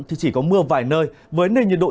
thì chỉ có mưa vài nơi với nền nhiệt độ